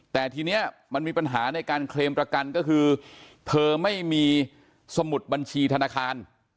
แต่ทีนี้มันมีปัญหาในการเคลมประกันก็คือเธอไม่มีสมุดบัญชีธนาคาร